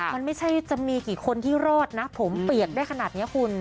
มันไม่ใช่จะมีกี่คนที่รอดนะผมเปียกได้ขนาดนี้คุณ